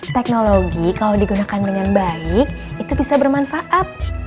teknologi kalau digunakan dengan baik itu bisa bermanfaat